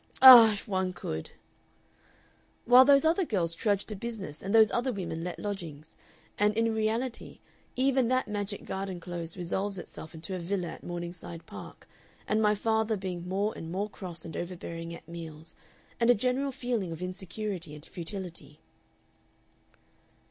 "Ah! If one could!" "While those other girls trudge to business and those other women let lodgings. And in reality even that magic garden close resolves itself into a villa at Morningside Park and my father being more and more cross and overbearing at meals and a general feeling of insecurity and futility."